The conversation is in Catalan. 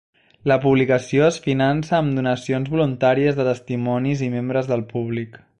La publicació es finança amb donacions voluntàries de testimonis i membres del públic.